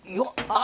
あ！